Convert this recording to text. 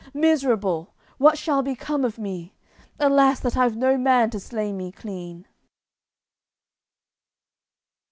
Miserable! What shall become of me? Alas! That I've no man to slay me clean!"